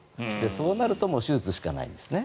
そうなるともう手術しかないんですね。